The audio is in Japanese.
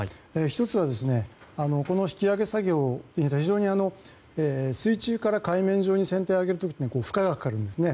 １つは、この引き揚げ作業非常に、水中から海面上に揚げるときに負荷がかかるんですね。